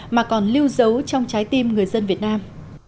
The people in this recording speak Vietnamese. mà còn lưu giấu trong trái tim người dân việt nam